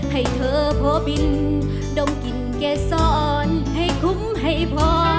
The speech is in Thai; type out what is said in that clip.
ให้เธอพ่อบินดมกลิ่นแก่ซ้อนให้คุ้มให้พอ